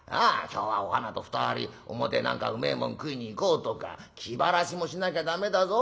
今日はお花と２人表へ何かうめえもん食いに行こうとか気晴らしもしなきゃ駄目だぞ。